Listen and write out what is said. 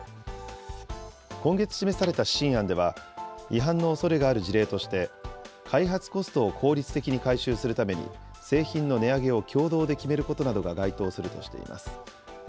今月示された指針案では、違反のおそれがある事例として、開発コストを効率的に回収するために、製品の値上げを共同で決めることなどが該当するとしています。